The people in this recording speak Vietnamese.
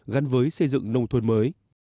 gắn với xây dựng nông thôn mới